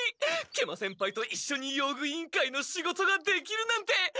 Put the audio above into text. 食満先輩といっしょに用具委員会の仕事ができるなんて！